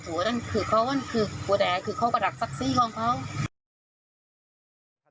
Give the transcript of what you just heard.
อันนั้นคือขวดแอร์คือข้อกระดักซักซี่ของเขา